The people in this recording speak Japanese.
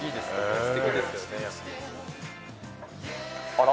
あら？